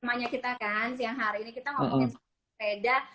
namanya kita kan siang hari ini kita ngomongin soal sepeda